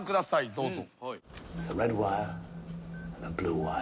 どうぞ。